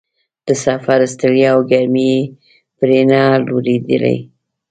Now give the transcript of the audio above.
د سفر ستړیا او ګرمۍ یې پرې نه لورېدلې.